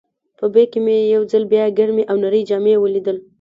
په بیک کې مې یو ځل بیا ګرمې او نرۍ جامې ولیدل.